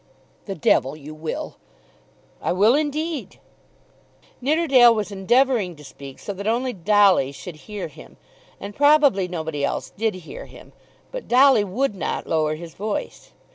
"The devil you will." "I will indeed." Nidderdale was endeavouring to speak so that only Dolly should hear him, and probably nobody else did hear him; but Dolly would not lower his voice.